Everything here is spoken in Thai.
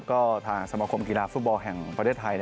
ก็ทางสมคมกีฬาฟุตบอลแห่งประเทศไทย